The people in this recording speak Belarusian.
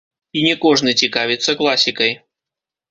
І не кожны цікавіцца класікай.